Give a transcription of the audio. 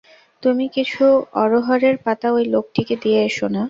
তুমি কিছু অড়হড়ের পাতা ঐ লোকটিকে দিয়ে এস না।